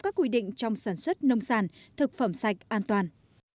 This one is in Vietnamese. các quy định trong sản xuất nông sản thực phẩm sạch an toàn